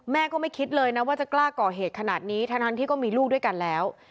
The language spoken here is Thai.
ก็ไม่คิดเลยนะว่าจะกล้าก่อเหตุขนาดนี้ทั้งที่ก็มีลูกด้วยกันแล้ว